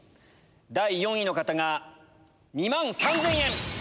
第４位の方が２万３０００円。